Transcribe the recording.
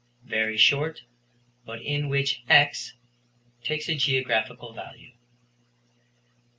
VERY SHORT, BUT IN WHICH "X" TAKES A GEOGRAPHICAL VALUE.